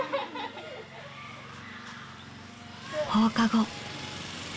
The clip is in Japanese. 放課後。